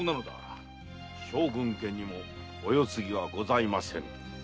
将軍家にもお世継ぎはございません。